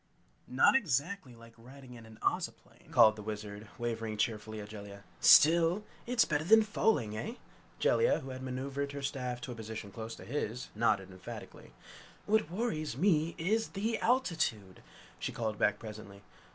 "Not exactly like riding in an Ozoplane!" called the Wizard, waving cheerfully to Jellia! "Still it's better than falling, eh?" Jellia, who had maneuvered her staff to a position close to his, nodded emphatically. "What worries me, is the altitude!" she called back presently.